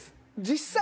実際。